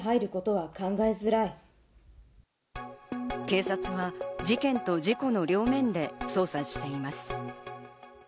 警察は事件と事故の両面で捜査しています。